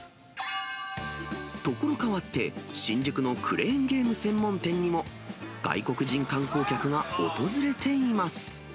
所変わって、新宿のクレーンゲーム専門店にも、外国人観光客が訪れています。